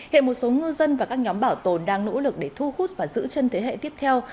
hệ một số ngư dân và các nhóm bảo tồn đang nỗ lực để thu hút và giữ chân thế hệ tiếp theo